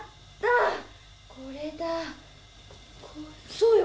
そうよ。